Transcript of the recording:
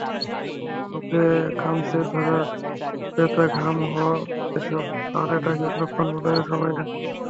বুকে খামচে ধরা ব্যথা, ঘাম হওয়া—এসব হার্ট অ্যাটাকের লক্ষণ বলে সবাই জানে।